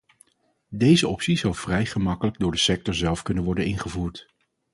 Deze optie zou vrij gemakkelijk door de sector zelf kunnen worden ingevoerd.